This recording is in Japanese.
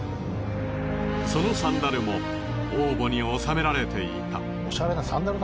そのサンダルも王墓に納められていた。